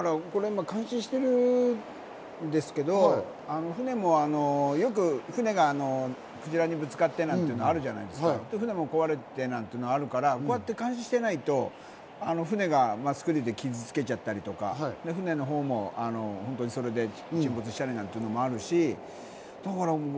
監視しているんですけれど、船もよく船がクジラにぶつかってっていうのあるじゃないですか、船も壊れてっていうのがあるから、監視していないと船が傷付けちゃったりとか、船の方もそれで沈没したりっていうのもあるし。